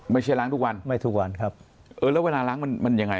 ไม่ใช่ล้างทุกวันไม่ทุกวันครับเออแล้วเวลาล้างมันมันยังไง